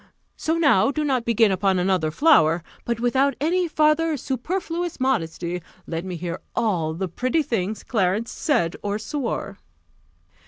So now do not begin upon another flower; but, without any farther superfluous modesty, let me hear all the pretty things Clarence said or swore."